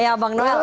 ya bang noel